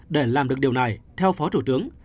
để làm được điều này theo phó thủ tướng